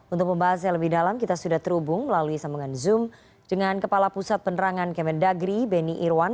untuk pembahas yang lebih dalam kita sudah terhubung melalui sambungan zoom dengan kepala pusat penerangan kemendagri beni irwan